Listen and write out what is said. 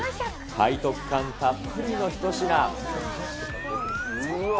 背徳感たっぷりの一品。